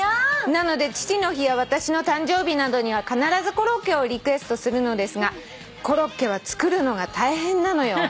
「なので父の日や私の誕生日などには必ずコロッケをリクエストするのですが『コロッケは作るのが大変なのよ』」